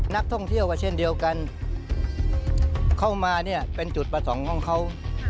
นักท่องเที่ยวก็เช่นเดียวกันเข้ามาเนี่ยเป็นจุดประสงค์ของเขา